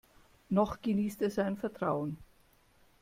Noch genießt er sein Vertrauen.